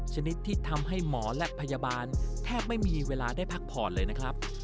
ชนิดที่ทำให้หมอและพยาบาลแทบไม่มีเวลาได้พักผ่อนเลยนะครับ